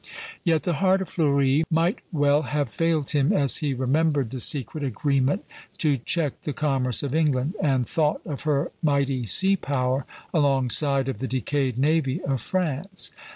Yet the heart of Fleuri might well have failed him as he remembered the secret agreement to check the commerce of England, and thought of her mighty sea power alongside of the decayed navy of France.